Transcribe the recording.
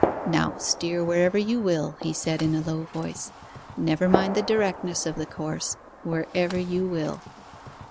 'Now steer wherever you will,' he said, in a low voice. 'Never mind the directness of the course wherever you will.